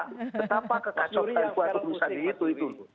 kenapa kekacauan yang kuat terus lagi itu